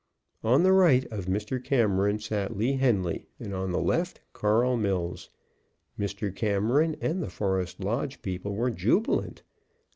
On the right of Mr. Cameron sat Lee Henly, and on the left, Carl Mills. Mr. Cameron and the Forest Lodge people were jubilant.